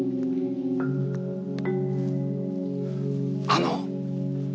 あの！